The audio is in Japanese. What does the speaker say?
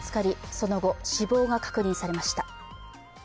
その後、死亡が確認されました。